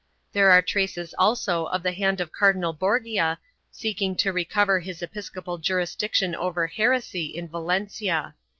There are traces also of the hand of Cardinal Borgia seeking to recover his episcopal juris diction over heresy in Valencia.